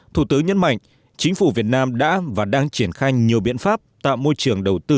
thủ tướng nhấn mạnh chính phủ việt nam đã và đang triển khai nhiều biện pháp tạo môi trường đầu tư